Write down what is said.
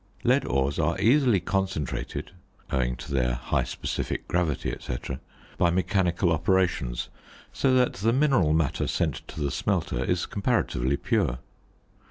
Lead ores are easily concentrated (owing to their high specific gravity, &c.) by mechanical operations, so that the mineral matter sent to the smelter is comparatively pure.